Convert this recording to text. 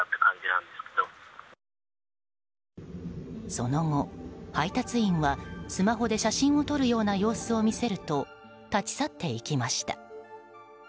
その後、配達員はスマホで写真を撮るような様子を見せると立ち去っていきました。